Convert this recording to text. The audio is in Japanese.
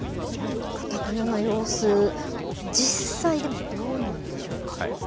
かたくなな様子、実際、でもどうなんでしょうか。